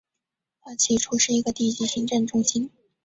它起初是一个低级行政中心。